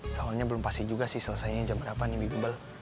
soalnya belum pasti juga sih selesainya jam berapa nih bubble